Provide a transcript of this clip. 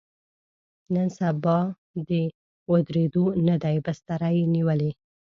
نن سبا د ودرېدو نه دی، بستره یې نیولې.